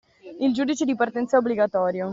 Il giudice di partenza è obbligatorio